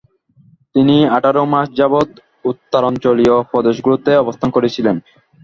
তিনি আঠারো মাস যাবত উত্তরাঞ্চলীয় প্রদেশগুলোতে অবস্থান করেছিলেন।